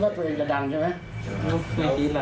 ก็ไม่เห็นที